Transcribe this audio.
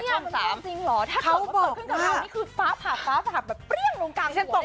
ช่อง๓ถ้าเขาบอกว่าฟ้าผ่าฟ้าผ่าแบบเปรี้ยงลงกลางหัวได้นะครับคุณ